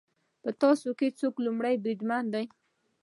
په تاسو کې څوک لومړی بریدمن دی